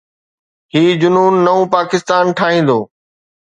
هي جنون نئون پاڪستان ٺاهيندو.